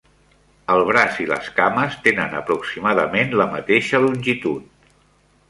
El braç i les cames tenen aproximadament la mateixa longitud.